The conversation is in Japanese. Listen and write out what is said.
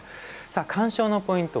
さあ鑑賞のポイント